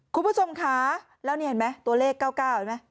คุณผู้ชมคะแล้วนี่เห็นไหมตัวเลข๙๙เห็นไหม